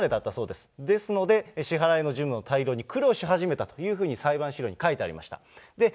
ですので支払いの事務の対応に苦慮し始めたというふうに、裁判資料に書いてありました。